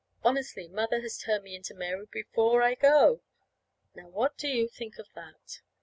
Honestly, Mother has turned me into Mary before I go. Now, what do you think of that?